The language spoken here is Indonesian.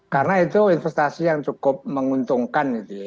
karena itu investasi yang cukup menguntungkan